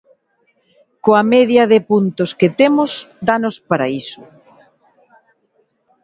Coa media de puntos que temos danos para iso.